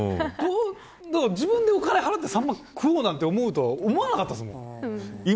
自分でお金払ってサンマ食おうなんて思わなかったですもん。